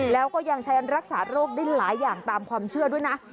แล้วก็ยังใช้รักษาโรคได้หลายอย่างตามความเชื่อด้วยนะ